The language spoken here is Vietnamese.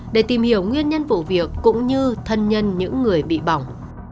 để tìm hiểu nguyên nhân vụ việc cũng như thân nhân những người bị bỏng